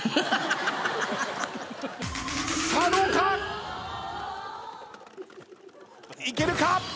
さあどうか⁉いけるか？